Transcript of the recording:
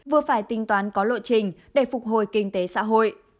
vừa phải tính toán có lộ trình để phục hồi kinh tế xã hội